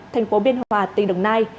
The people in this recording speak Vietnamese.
thành phố biên hòa tỉnh đồng nai